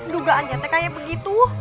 dugaan nyatanya kayak begitu